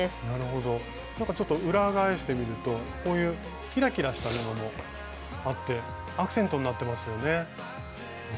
なるほどちょっと裏返してみるとこういうキラキラした布もあってアクセントになってますよね。